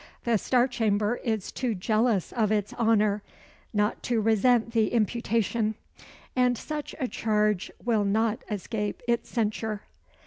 The Star Chamber is too jealous of its honour not to resent the imputation; and such a charge will not escape its censure."